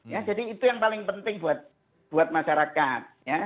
ya jadi itu yang paling penting buat masyarakat